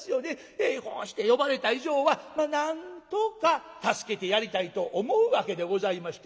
こうして呼ばれた以上はなんとか助けてやりたいと思うわけでございましてね。